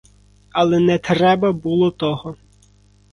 Але не треба було того.